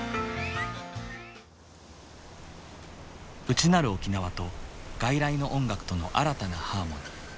内なる沖縄と外来の音楽との新たなハーモニー。